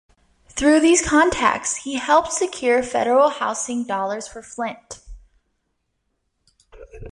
Through these contacts he helped secure federal housing dollars for Flint.